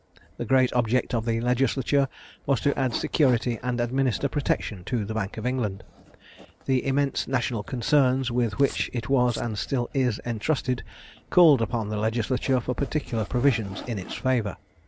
The great object of the legislature was to add security and administer protection to the Bank of England. The immense national concerns with which it was and still is entrusted, called upon the legislature for particular provisions in its favour.